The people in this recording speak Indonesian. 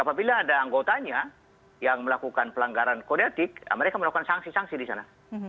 apabila ada anggotanya yang melakukan pelanggaran kode etik mereka melakukan sanksi sanksi di sana